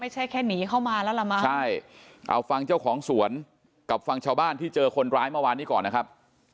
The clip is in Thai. ใช่เอาฟังเจ้าของสวนกับฟังชาวบ้านที่เจอคนร้ายเมื่อวานนี้ก่อนนะครับ